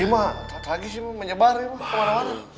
iya emang tak lagi sih menyebar kemana mana